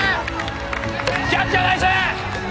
キャッチャーナイス！